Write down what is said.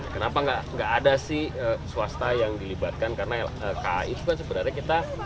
kenapa nggak ada sih swasta yang dilibatkan karena kai itu kan sebenarnya kita